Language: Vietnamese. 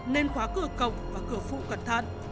nên khóa cửa cọc và cửa phụ cẩn thận